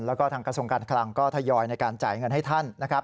แล้วก็ทางกระทรวงการคลังก็ทยอยในการจ่ายเงินให้ท่านนะครับ